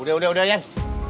udah udah udah yang